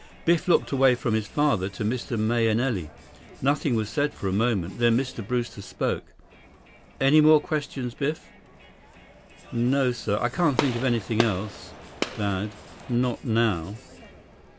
Biff looked from his father to Mr. Mahenili. Nothing was said for a moment. Then Mr. Brewster spoke. "Any more questions, Biff?" "No, sir. Can't think of anything else, Dad. Not now."